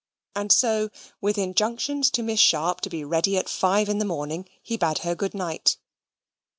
And so, with injunctions to Miss Sharp to be ready at five in the morning, he bade her good night.